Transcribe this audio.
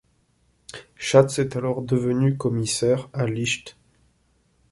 Schatz est alors devenu commissaire à Licht.